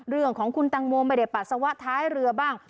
เรื่องของคุณตังโมไม่ได้ปัสสาวะท้ายเรือบ้าง